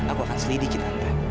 aku akan selidiki tante